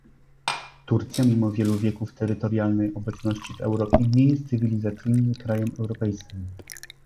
Turcja mimo wielu wieków terytorialnej obecności w Europie nie jest cywilizacyjnie krajem europejskim